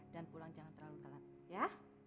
dan pulang jangan terlalu telat ya